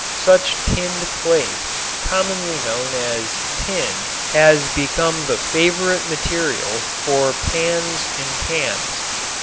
Such tinned plate commonly known as "tin" has become the favorite material for pans and cans.